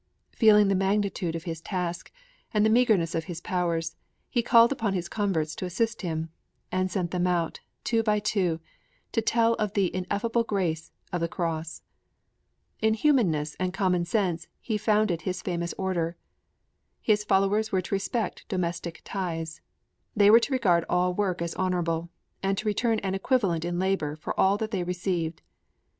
Feeling the magnitude of his task and the meagerness of his powers, he called upon his converts to assist him, and sent them out, two by two, to tell of the ineffable grace of the Cross. In humanness and common sense he founded his famous Order. His followers were to respect domestic ties; they were to regard all work as honorable, and to return an equivalent in labor for all that they received.